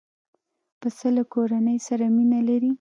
پسه له کورنۍ سره مینه لري.